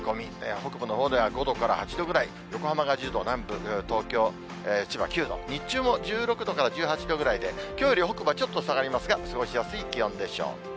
北部のほうでは５度から８度ぐらい、横浜が１０度、南部東京、千葉９度、日中も１６度から１８度ぐらいで、きょうより北部はちょっと下がりますが、過ごしやすい気温でしょう。